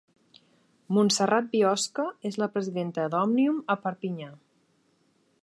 Montserrat Biosca és la presidenta d'Òmnium a Perpinyà.